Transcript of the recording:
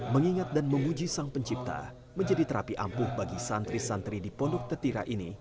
mengingat dan menguji sang pencipta menjadi terapi ampuh bagi santri santri di pondok tetira ini